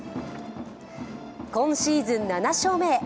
今シーズン７勝目へ。